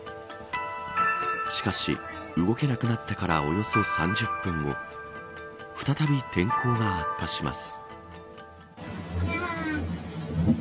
しかし、動けなくなってからおよそ３０分後再び天候が悪化します。